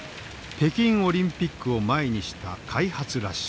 北京オリンピックを前にした開発ラッシュ。